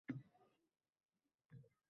Yaʼni opamning qizi kelgan ekan.